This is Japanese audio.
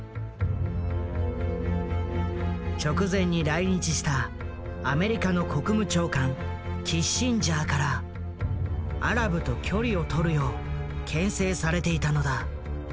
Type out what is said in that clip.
直前に来日したアメリカの国務長官キッシンジャーからアラブと距離をとるよう牽制されていたのだ。